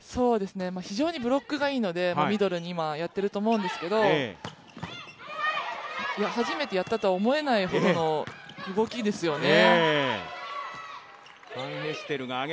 非常にブロックがいいので、ミドルで今やってると思うんですが初めてやったとは思えないほどの動きですよね。